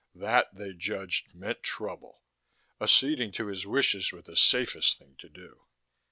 That, they judged, meant trouble. Acceding to his wishes was the safest thing to do.